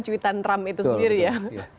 tweet an trump itu sendiri ya